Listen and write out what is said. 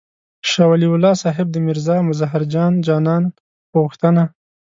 شاه ولي الله صاحب د میرزا مظهر جان جانان په غوښتنه.